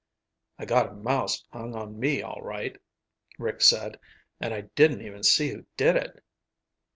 "I got a mouse hung on me all right," Rick said. "And I didn't even see who did it."